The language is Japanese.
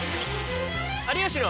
「有吉の」。